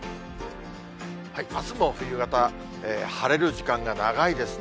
あすも冬型、晴れる時間が長いですね。